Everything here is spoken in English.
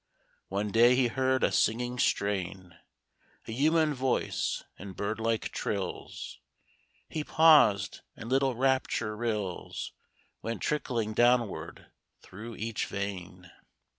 One day he heard a singing strain A human voice, in bird like trills. He paused, and little rapture rills Went trickling downward through each vein.